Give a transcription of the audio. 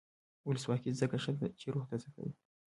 ولسواکي ځکه ښه ده چې روح تازه کوي.